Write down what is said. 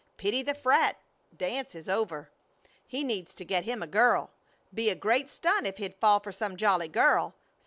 "Pity the frat. dance is over. He needs to get him a girl. Be a great stunt if he'd fall for some jolly girl.